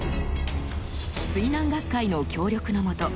水難学会の協力のもと